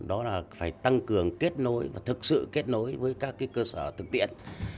đó là phải tăng cường kết nối và thực sự kết nối với các cơ sở thực tiễn